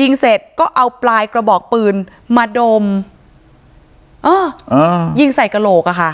ยิงเสร็จก็เอาปลายกระบอกปืนมาดมอ๋ออ่ายิงใส่กระโหลกอะค่ะ